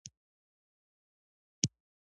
د سخي زیارت په کابل کې دی